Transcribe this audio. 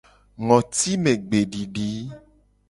Ngotimegbedidi.